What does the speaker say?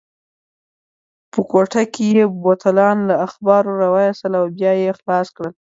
په کوټه کې یې بوتلان له اخبارو راوایستل او بیا یې خلاص کړل.